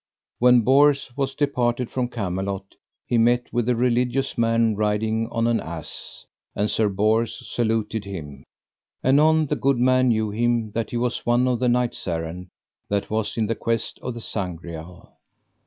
When Bors was departed from Camelot he met with a religious man riding on an ass, and Sir Bors saluted him. Anon the good man knew him that he was one of the knights errant that was in the quest of the Sangreal.